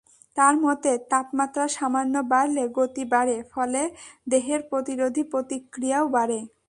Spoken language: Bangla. তাঁর মতে, তাপমাত্রা সামান্য বাড়লে গতি বাড়ে, ফলে দেহের প্রতিরোধী প্রতিক্রিয়াও বাড়ে।